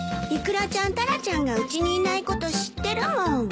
イクラちゃんタラちゃんがうちにいないこと知ってるもん。